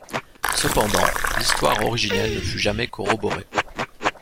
Cependant, l'histoire originelle ne fut jamais corroborée.